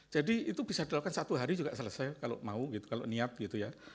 jadi itu bisa dilakukan satu hari juga selesai kalau mau gitu kalau niab gitu ya